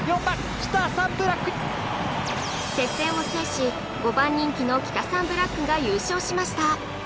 接戦を制し５番人気のキタサンブラックが優勝しました